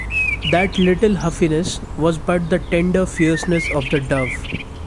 That little huffiness was but the tender fierceness of the dove.